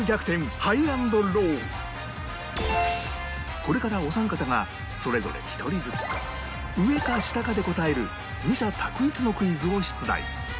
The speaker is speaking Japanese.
これからお三方がそれぞれ１人ずつ上か下かで答える二者択一のクイズを出題